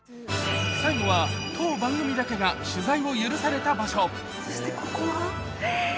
最後は当番組だけが取材を許された場所そしてここは？え！